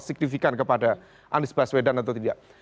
signifikan kepada anies baswedan atau tidak